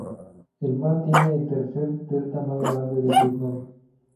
El Ma tiene el tercer delta más grande de Vietnam.